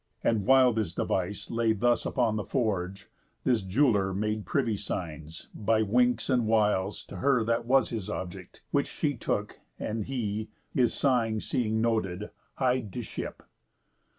And while this device Lay thus upon the forge, this jeweller Made privy signs, by winks and wiles, to her That was his object; which she took, and he, His sign seeing noted, hied to ship.